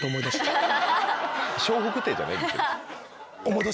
笑福亭じゃないんですよ。